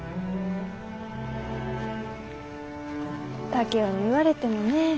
竹雄に言われてもね。